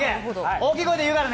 大きい声で言うからね。